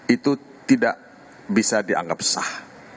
itu tidak bisa dianggap sah